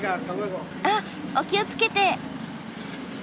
あっお気をつけて。